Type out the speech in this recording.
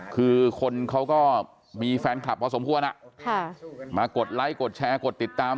คือคนเขาก็มีแฟนคลับพอสมควรมากดไลค์กดแชร์กดติดตาม